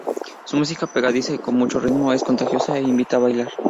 Su música pegadiza y con mucho ritmo es contagiosa e invita a bailar.